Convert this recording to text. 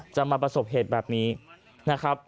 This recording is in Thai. มาประสบเหตุแบบนี้นะครับ